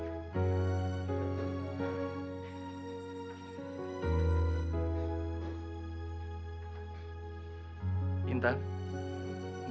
itu sudah understand